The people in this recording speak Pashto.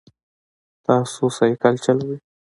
تاسو سایکل چلوئ؟